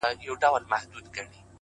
مثبت چلند د چاپېریال رنګ بدلوي؛